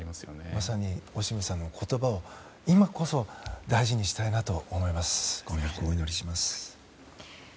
まさにオシムさんの言葉を今こそ大事にしたいと思います。